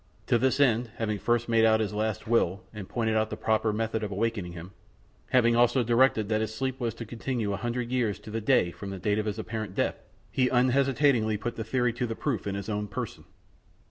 To this end, having first made his last will and pointed out the proper method of awakening him; having also directed that his sleep was to continue a hundred years to a day from the date of his apparent death, he unhesitatingly put the theory to the proof in his own person.